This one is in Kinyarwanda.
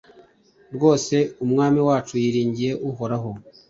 rwose, umwami wacu yiringiye uhoraho